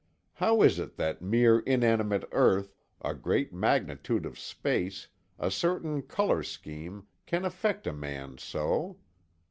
How is it that mere inanimate earth, a great magnitude of space, a certain color scheme, can affect a man so?